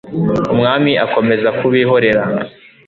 umwami akomeza kubihorera